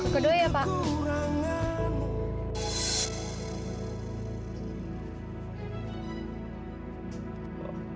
kedua ya pak